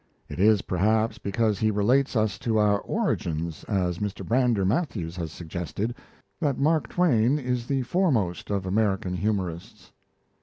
It is, perhaps, because he relates us to our origins, as Mr. Brander Matthews has suggested, that Mark Twain is the foremost of American humorists.